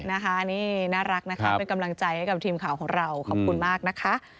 นะคะนี่น่ารักนะคะเป็นกำลังใจให้กับทีมข่าวของเราขอบคุณมากนะคะ